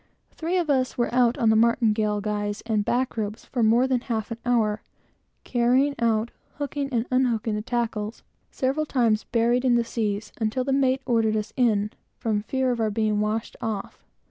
Three of us were out on the martingale guys and back ropes for more than half an hour, carrying out, hooking and unhooking the tackles, several times buried in the seas, until the mate ordered us in, from fear of our being washed off.